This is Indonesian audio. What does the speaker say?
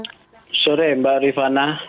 selamat sore mbak rifana